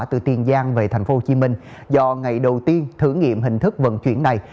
từ tiền giang về tp hcm do ngày đầu tiên thử nghiệm hình thức vận chuyển này